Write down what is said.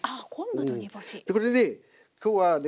これで今日はね